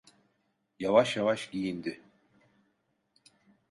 Yavaş yavaş giyindi.